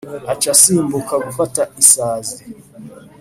aca asimbuka gufata isazi,